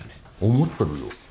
思ってるよ。